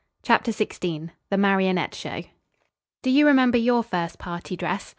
CHAPTER XVI THE MARIONETTE SHOW Do you remember your first party dress?